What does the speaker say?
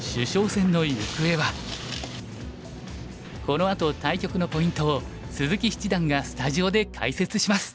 この後対局のポイントを鈴木七段がスタジオで解説します！